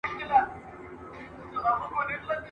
دا دوران دي مور هم دی تېر کړی لېونۍ !.